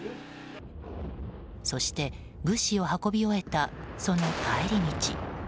そして、物資を運び終えたその帰り道。